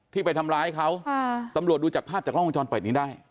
ที่ไปทำร้ายเขาตำรวจดูจากภาพจากกล้องวงจรปิดนี้ได้